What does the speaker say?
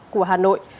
của hà nội